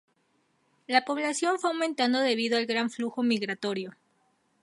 La población fue aumentando debido al gran flujo migratorio.